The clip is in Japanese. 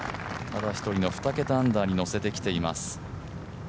ただ一人の２桁アンダーにのせてきています。